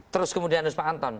terus kemudian pak anton